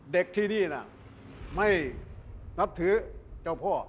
เด็กที่นี่น่ะไม่นับถือเจ้าพ่อ